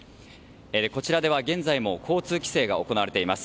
こちらでは現在も交通規制が行われています。